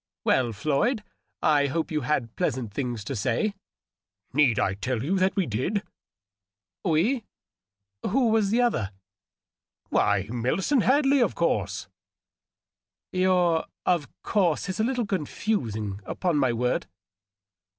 " Well, Floyd, I hope you had pleasant things to say." " Need I tell you that we did ?"" We ? Who was the other ?"" Why, Millicent Hadley, of course." " Your ^ of course' is a little conftising, upon my word."